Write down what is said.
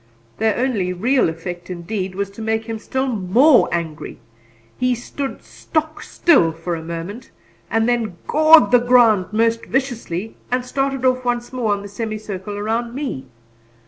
Their only real effect, indeed, was to make him still more angry. He stood stock still for a moment, and then gored the ground most viciously and started off once more on the semi circle round me.